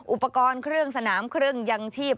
อุปกรณ์เครื่องสนามเครื่องยังชีพ